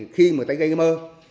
khi người ta gây mơ